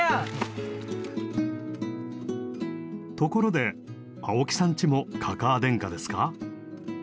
ところで青木さんちも「かかあ天下」ですか？